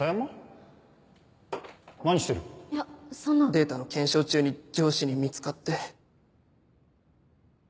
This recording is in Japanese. データの検証中に上司に見つかって。